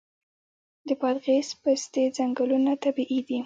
د بادغیس پستې ځنګلونه طبیعي دي؟